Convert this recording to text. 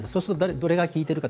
どれが効いているのか